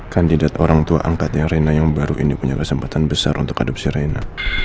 kandidat orang tua angkatnya rena yang baru ini punya kesempatan besar untuk adopsi reina